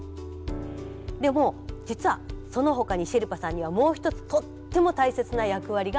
でも実はそのほかにシェルパさんにはもう一つとっても大切な役割があります。